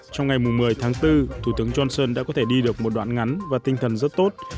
trong ngày một mươi tháng bốn thủ tướng johnson đã có thể đi được một đoạn ngắn và tinh thần rất tốt